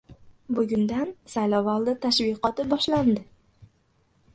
Bugundan saylovoldi tashviqoti boshlandi